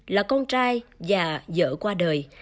là con trai và vợ qua đời